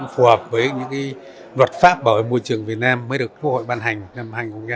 phù hợp với những luật pháp bảo vệ môi trường việt nam mới được quốc hội ban hành năm hai nghìn một mươi ba